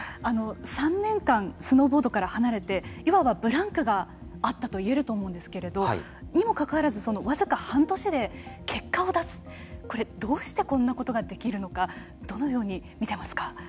あの３年間スノーボードから離れていわばブランクがあったといえると思うんですけれどにもかかわらず僅か半年で結果を出すこれどうしてこんなことができるのかどのように見てますか。